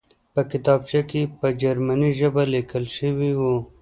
په کتابچه کې په جرمني ژبه لیکل شوي وو